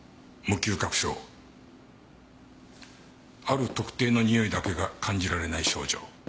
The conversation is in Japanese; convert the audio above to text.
ある特定のにおいだけが感じられない症状。